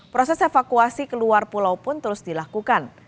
proses evakuasi keluar pulau pun terus dilakukan